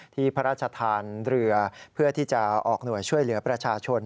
พระราชทานเรือเพื่อที่จะออกหน่วยช่วยเหลือประชาชน